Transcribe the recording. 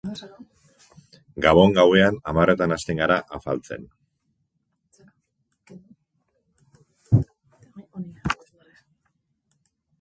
Gabon gauean hamarretan hasten gara afaltzen.